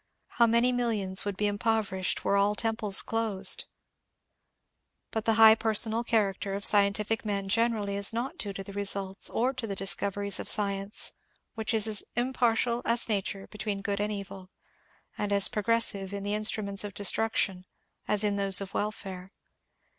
How many mil lions would be impoverished were all temples closed ? But the high personal character of scientific men generally is not due to the results or to the discoveries of science, which is as impartial as nature between good and evil, and as pro gressive in the instruments of destruction as in those of welfare.